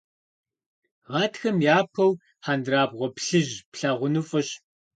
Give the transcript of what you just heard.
Гъатхэм япэу хьэндырабгъуэ плъыжь плъагъуну фӏыщ.